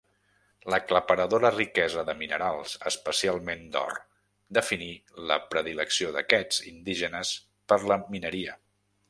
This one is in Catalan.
L'aclaparadora riquesa de minerals, especialment d'or, definí la predilecció d'aquests indígenes per la mineria.